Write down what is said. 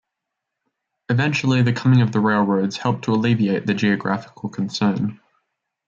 Eventually the coming of the railroads helped to alleviate the geographical concern.